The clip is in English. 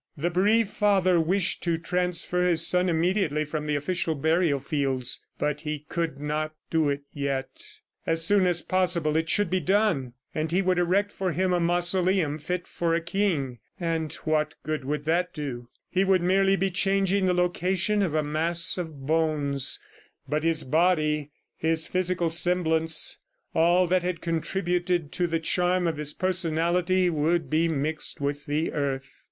The bereaved father wished to transfer his son immediately from the official burial fields, but he could not do it yet. As soon as possible it should be done, and he would erect for him a mausoleum fit for a king. ... And what good would that do? He would merely be changing the location of a mass of bones, but his body, his physical semblance all that had contributed to the charm of his personality would be mixed with the earth.